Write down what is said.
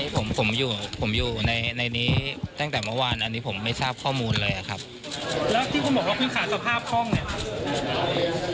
ผมผมอยู่ผมอยู่ในในนี้ตั้งแต่เมื่อวานอันนี้ผมไม่ทราบข้อมูลเลยอะครับแล้วที่คุณบอกว่าคุณขาดสภาพห้องเนี่ย